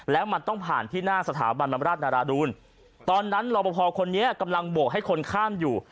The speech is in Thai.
แล้วมันต้องผ่านที่หน้าสถาบันบำราชนาราดูลตอนนั้นรอปภคนนี้กำลังโบกให้คนข้ามอยู่